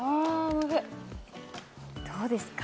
どうですか？